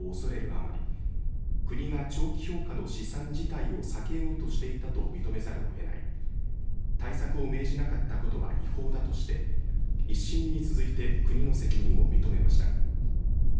あまり国が長期評価の試算事態を避けようとしていたと認めざるをえない対策を命じなかったことは違法だとして１審に続いて国の責任を認めました。